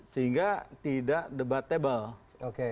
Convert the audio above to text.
sehingga tidak debatable